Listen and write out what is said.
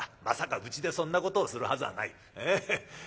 まさかうちでそんなことをするはずはない。